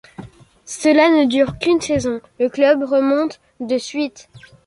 Cela ne dure qu'une saison, le club remonte de suite.